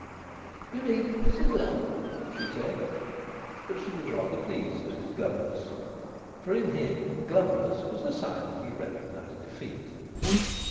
"You needn't be so glum," she said. But she was rather pleased at his glumness. For in him glumness was a sign that he recognised defeat.